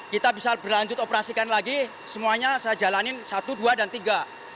kita bisa berlanjut operasikan lagi semuanya saya jalanin satu dua dan tiga